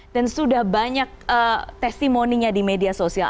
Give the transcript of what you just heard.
dan sudah banyak testimoninya di media sosial